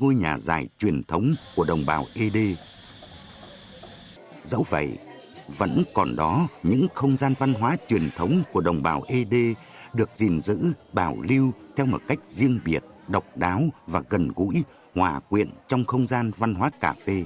nơi đây nhiều không gian văn hóa truyền thống của đồng bào ế đê được gìn giữ bảo lưu theo một cách riêng biệt độc đáo và gần gũi hòa quyện trong không gian văn hóa cà phê